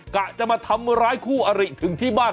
กะจะมาทำร้ายคู่อริถึงที่บ้าน